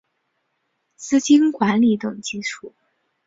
资金管理等技术